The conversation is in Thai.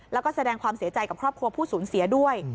แล้วก็แสดงความเสียใจกับครอบครัวผู้สูญเสียด้วย